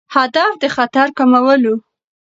هدف د خطر کمول وو.